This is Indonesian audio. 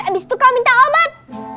abis itu kau minta obat